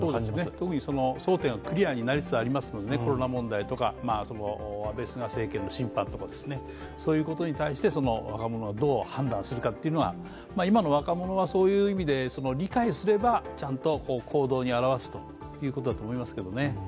特に争点がクリアになりつつありますので、コロナ問題とか、安倍・菅政権の審判とかそういうことに対して若者がどう判断するか、今の若者は理解すれば、ちゃんと行動に表すということだと思いますけどね。